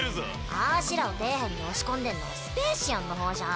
あしらを底辺に押し込んでんのはスペーシアンの方じゃん。